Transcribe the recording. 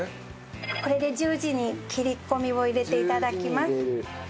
これで十字に切り込みを入れて頂きます。